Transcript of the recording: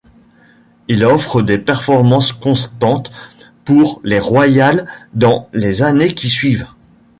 Il offre des performances constantes pour les Royals dans les années qui suivent.